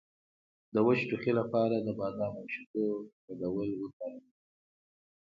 د وچ ټوخي لپاره د بادام او شیدو ګډول وکاروئ